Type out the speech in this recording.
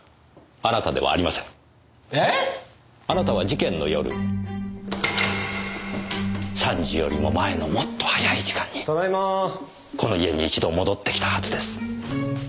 あなたは事件の夜３時よりも前のもっと早い時間にこの家に一度戻ってきたはずです。